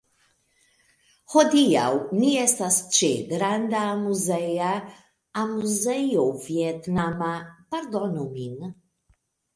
Hodiaŭ ni estas ĉe granda amuzeja... amuzejo vietnama... pardonu min